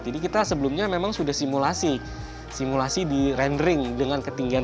jadi kita sebelumnya memang sudah simulasi simulasi di rendering dengan ketinggian